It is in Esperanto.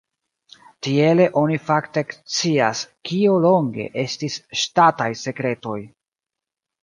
Tiele oni fakte ekscias, kio longe estis ŝtataj sekretoj.